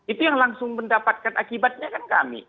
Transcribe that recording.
itu yang langsung mendapatkan akibatnya kan kami